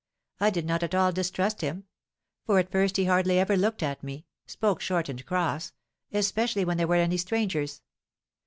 I did not at all distrust him; for at first he hardly ever looked at me, spoke short and cross, especially when there were any strangers.